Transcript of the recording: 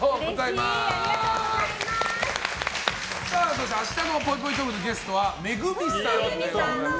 そして明日のぽいぽいトークのゲストはＭＥＧＵＭＩさんです。